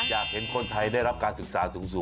อยากเห็นคนไทยได้รับการศึกษาสูง